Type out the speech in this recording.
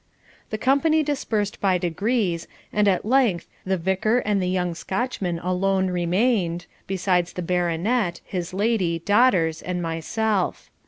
The company dispersed by degrees, and at length the Vicar and the young Scotchman alone remained, besides the Baronet, his lady, daughters, and myself.